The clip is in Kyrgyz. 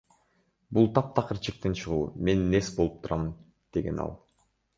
Бул таптакыр чектен чыгуу, мен нес болуп турам, — деген ал.